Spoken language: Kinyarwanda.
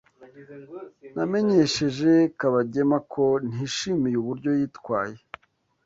Namenyesheje Kabagema ko ntishimiye uburyo yitwaye.